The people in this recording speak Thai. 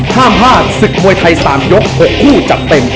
ห้ามพลาดศึกมวยไทย๓ยก๖คู่จัดเต็ม